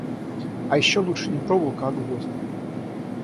А еще лучше не проволока, а гвозди.